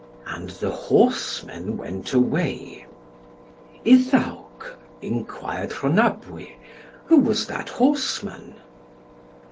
And the horseman went away. "Iddawc," enquired Rhonabwy, "who was that horseman?"